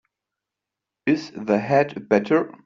Is the head better?